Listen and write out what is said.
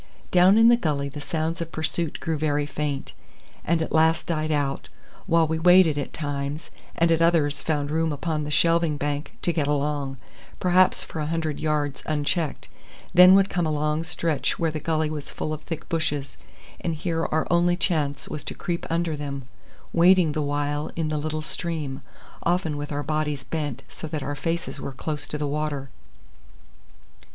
Down in the gully the sounds of pursuit grew very faint, and at last died out, while we waded at times, and at others found room upon the shelving bank to get along, perhaps for a hundred yards unchecked; then would come a long stretch where the gully was full of thick bushes, and here our only chance was to creep under them, wading the while in the little stream, often with our bodies bent so that our faces were close to the water.